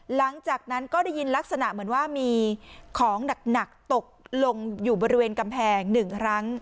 หลังจากนั้นก็ได้ยินลักษณะเหมือนว่ามีของหนักตกลงอยู่บริเวณกำแพง๑ครั้ง